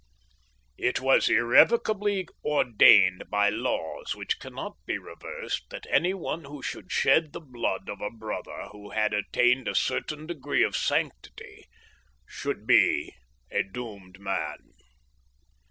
"It was irrevocably ordained by laws which cannot be reversed that any one who should shed the blood of a brother who had attained a certain degree of sanctity should be a doomed man.